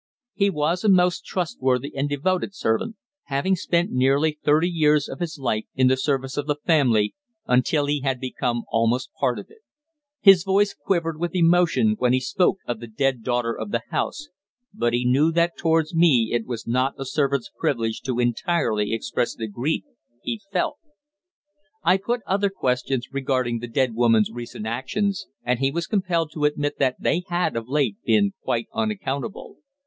He was a most trustworthy and devoted servant, having spent nearly thirty years of his life in the service of the family, until he had become almost part of it. His voice quivered with emotion when he spoke of the dead daughter of the house, but he knew that towards me it was not a servant's privilege to entirely express the grief he felt. I put other questions regarding the dead woman's recent actions, and he was compelled to admit that they had, of late, been quite unaccountable.